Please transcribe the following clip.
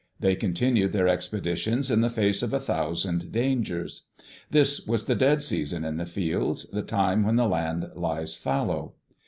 They continued their expeditions in the face of a thousand dangers. This was the dead season in the fields, the time when the land lies fallow.